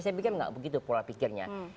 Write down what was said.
saya pikir nggak begitu pola pikirnya